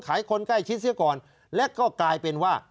คนใกล้ชิดเสียก่อนและก็กลายเป็นว่า